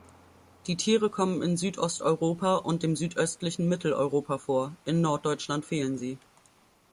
Die Tiere kommen in Südosteuropa und dem südöstlichen Mitteleuropa vor, in Norddeutschland fehlen sie.